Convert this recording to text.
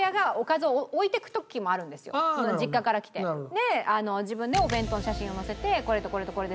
で自分のお弁当の写真を載せてこれとこれとこれです。